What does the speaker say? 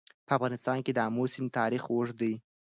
په افغانستان کې د آمو سیند تاریخ اوږد دی.